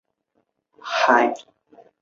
克罗顿的医师被认为是全希腊最好的。